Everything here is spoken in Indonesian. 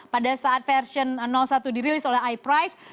pada saat versi satu dirilis oleh iprice